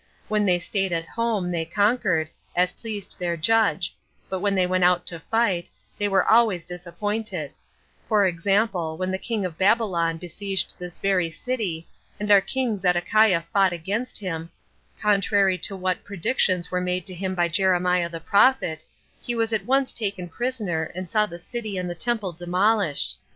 When they staid at home, they conquered, as pleased their Judge; but when they went out to fight, they were always disappointed: for example, when the king of Babylon besieged this very city, and our king Zedekiah fought against him, contrary to what predictions were made to him by Jeremiah the prophet, he was at once taken prisoner, and saw the city and the temple demolished.